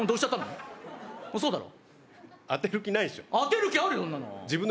当てる気あるの？